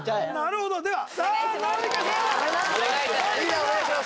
お願いします